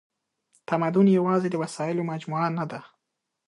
تمدن یواځې د وسایلو مجموعه نهده.